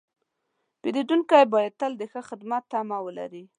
پیرودونکی باید تل د ښه خدمت تمه ولري.